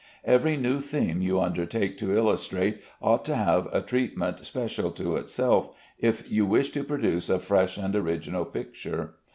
Every new theme you undertake to illustrate ought to have a treatment special to itself if you wish to produce a fresh and original picture.